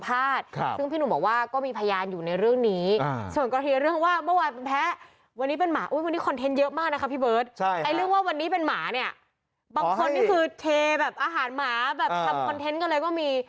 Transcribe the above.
บางคนที่คือเทแบบอาหารหมาทำคอนเทนต์ก็เลยมี